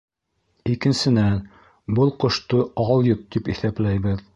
Икенсенән, был ҡошто алйот тип иҫәпләйбеҙ.